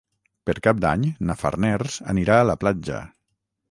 Per Cap d'Any na Farners anirà a la platja.